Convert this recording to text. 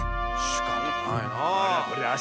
しかたないなあ。